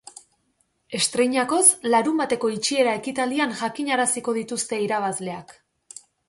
Estreinakoz, larunbateko itxiera ekitaldian jakinaraziko dituzte irabazleak.